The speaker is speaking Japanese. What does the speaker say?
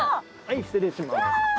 はい失礼しますわ！